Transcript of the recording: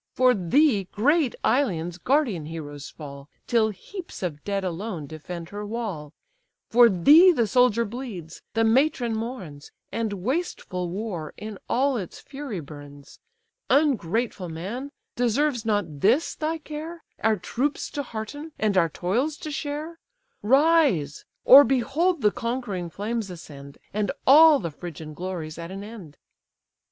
For thee great Ilion's guardian heroes fall, Till heaps of dead alone defend her wall, For thee the soldier bleeds, the matron mourns, And wasteful war in all its fury burns. Ungrateful man! deserves not this thy care, Our troops to hearten, and our toils to share? Rise, or behold the conquering flames ascend, And all the Phrygian glories at an end."